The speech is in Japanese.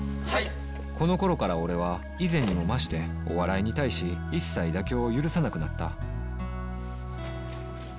この頃から俺は以前にも増してお笑いに対し一切妥協を許さなくなった